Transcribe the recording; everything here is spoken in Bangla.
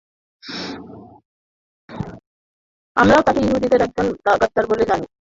আমরাও তাকে ইহুদীদের একজন গাদ্দার বলে জানি।